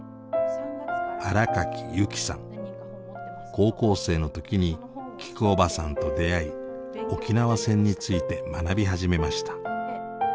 高校生の時にきくおばさんと出会い沖縄戦について学び始めました。